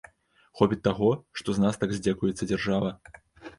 Хопіць таго, што з нас так здзекуецца дзяржава.